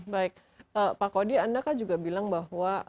baik pak kody anda kan juga bilang bahwa